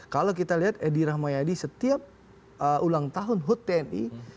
kalau kita lihat edi rahmayadi setiap ulang tahun hut tni